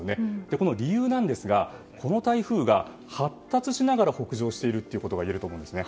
この理由なんですがこの台風が発達しながら北上していることがいえると。